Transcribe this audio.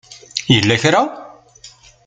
Yella kra?